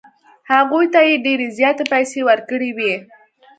هغوی ته یې ډېرې زیاتې پیسې ورکړې وې.